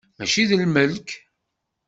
Mačči d lmelk.